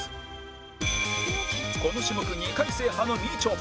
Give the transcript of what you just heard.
この種目２回制覇のみちょぱ